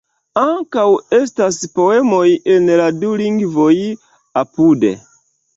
Ankaŭ estas poemoj en la du lingvoj apude.